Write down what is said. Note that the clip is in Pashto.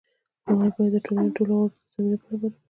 لومړی باید د ټولنې ټولو غړو ته زمینه برابره وي.